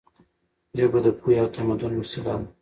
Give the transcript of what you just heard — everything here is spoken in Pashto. ژبه د پوهې او تمدن وسیله ده.